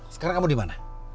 sekarang kamu dimana